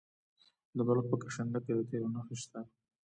د بلخ په کشنده کې د تیلو نښې شته.